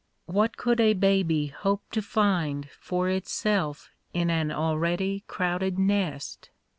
What could a baby hope to find For itself in an already crowded nest